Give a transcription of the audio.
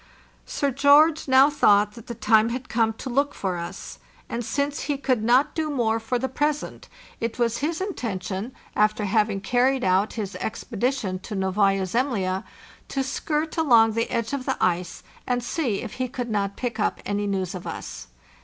Sir George now thought that the time had come to look for us, and since he could not do more for tn (oe) ioe) FARTHEST NORTH the present, it was his intention, after having carried out his expedition to Novaya Zemlya, to skirt along the edge of the ice, and see if he could not pick up any news of us.